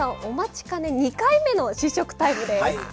お待ちかね２回目の試食タイムです！